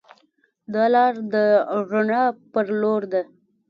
دا لار د رڼا پر لور ده.